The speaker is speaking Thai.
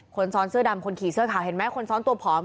คนซ้อนเสื้อดำคนขี่เสื้อขาวเห็นไหมคนซ้อนตัวผอม